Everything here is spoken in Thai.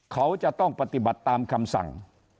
เขาจะต้องปฏิบัติตามคำสั่ง